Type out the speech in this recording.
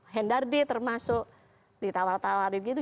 hendardi termasuk ditawarin gitu